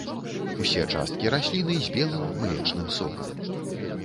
Усе часткі расліны з белым млечным сокам.